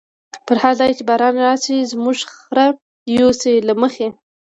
په هر ځای چی باران راشی، زمونږ خره یوسی له مخی